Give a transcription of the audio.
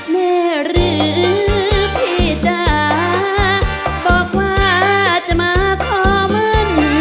แม่หรือพี่จ๋าบอกว่าจะมาขอมึน